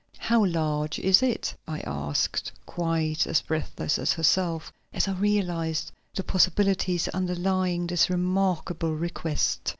"How large is it?" I asked, quite as breathless as herself, as I realized the possibilities underlying this remarkable request.